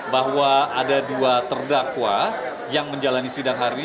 bahwa ada dua terdakwa yang menjalani sidang hari ini